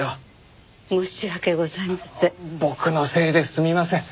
申し訳ございません。